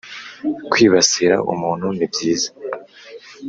kwibasira umuntu ni byiza